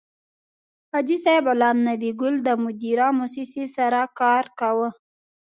حاجي صیب غلام نبي ګل د مدیرا موسسې سره کار کاوه.